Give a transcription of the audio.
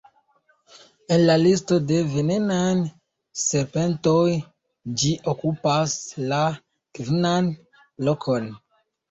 En la listo de venenaj serpentoj ĝi okupas la kvinan lokon.